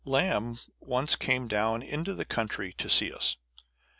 Lamb once came down into the country to see us.